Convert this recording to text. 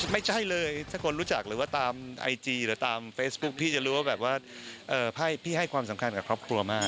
ไม่ใช่เลยถ้าคนรู้จักหรือว่าตามไอจีหรือตามเฟซบุ๊คพี่จะรู้ว่าแบบว่าพี่ให้ความสำคัญกับครอบครัวมาก